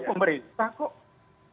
ya pemerintah kok